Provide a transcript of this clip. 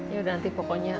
yaudah nanti pokoknya